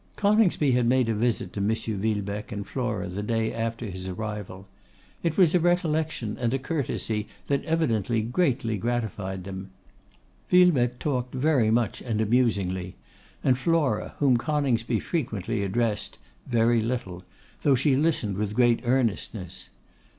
Coningsby had made a visit to M. Villebecque and Flora the day after his arrival. It was a recollection and a courtesy that evidently greatly gratified them. Villebecque talked very much and amusingly; and Flora, whom Coningsby frequently addressed, very little, though she listened with great earnestness.